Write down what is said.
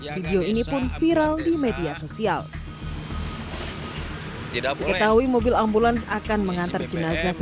video ini pun viral di media sosial tidak diketahui mobil ambulans akan mengantar jenazah ke